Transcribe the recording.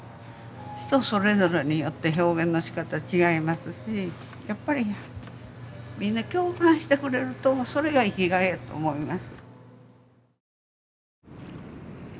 人それぞれによって表現のしかたは違いますしやっぱりみんな共感してくれるとそれが生きがいやと思います。